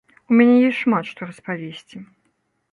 У мяне ёсць шмат што распавесці.